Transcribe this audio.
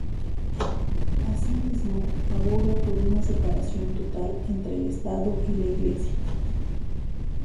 Asimismo, aboga por una separación total entre el Estado y la Iglesia.